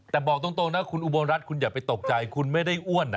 แต่บอกตรงนะคุณอุบลรัฐคุณอย่าไปตกใจคุณไม่ได้อ้วนนะ